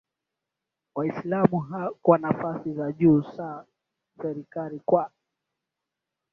Waislamu kwa nafasi za juu za serikali kwa